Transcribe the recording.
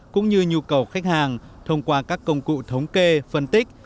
cũng như nhu cầu khách hàng thông qua các công cụ thống kê phân tích